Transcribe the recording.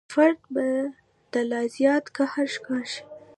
فرد به د لا زیات قهر ښکار شي.